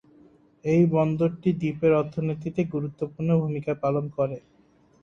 এই বন্দরটি দ্বীপের অর্থনীতিতে গুরুত্বপূর্ণ ভূমিকা পালন করে।